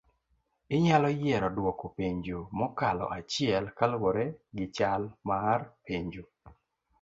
Inyalo yiero duoko penjo mokalo achiel kaluore gichal mar penjo